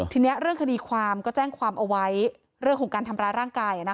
ทีนี้เรื่องคดีความก็แจ้งความเอาไว้เรื่องของการทำร้ายร่างกาย